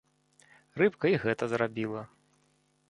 Рыбка і гэта зрабіла.